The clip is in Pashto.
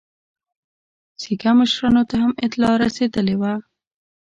سیکه مشرانو ته هم اطلاع رسېدلې وه.